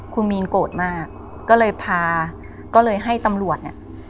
คุณมีนโกรธมากก็เลยพาก็เลยให้ตำรวจเนี่ย